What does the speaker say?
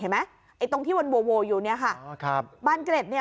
ไอ้ตรงที่มันโวอยู่เนี่ยค่ะอ๋อครับบานเกร็ดเนี่ย